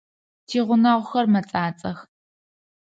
Тигъунэгъухэр мэцӏацӏэх.